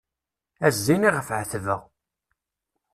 A zzin iɣef εetbeɣ.